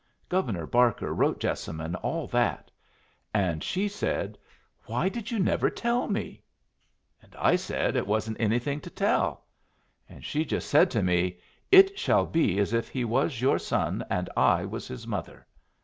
Governor Barker wrote Jessamine all that; and she said, 'Why did you never tell me?' And I said it wasn't anything to tell. And she just said to me, 'It shall be as if he was your son and I was his mother.'